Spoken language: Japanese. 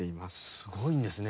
すごいんですね。